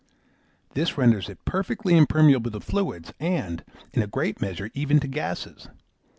This renders it perfectly impermeable to fluids, and, in a great measure, even to gases.